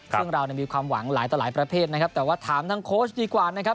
ซึ่งเรามีความหวังหลายต่อหลายประเภทนะครับแต่ว่าถามทั้งโค้ชดีกว่านะครับ